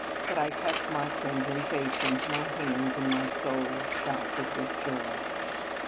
But I tucked my crimson face into my hands, and my soul shouted with joy.